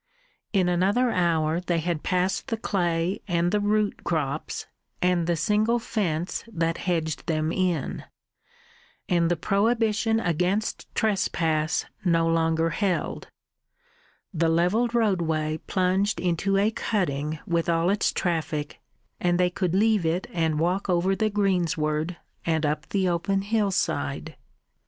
In another hour they had passed the clay and the root crops and the single fence that hedged them in, and the prohibition against trespass no longer held: the levelled roadway plunged into a cutting with all its traffic, and they could leave it and walk over the greensward and up the open hillside.